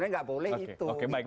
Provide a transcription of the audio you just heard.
sebenarnya nggak boleh itu